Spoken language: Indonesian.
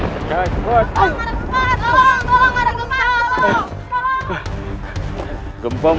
bapak ada gempa